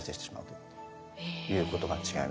ということが違いますね。